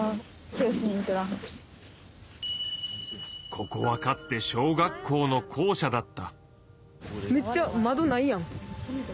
ここはかつて小学校の校舎だった。